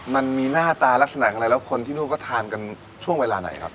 มันมีหน้าตาลักษณะอย่างไรแล้วคนที่นู่นก็ทานกันช่วงเวลาไหนครับ